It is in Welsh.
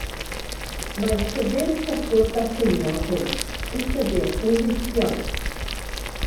Mae'r llyfr cyffwrdd a theimlo hwn yn llyfr rhyngweithiol.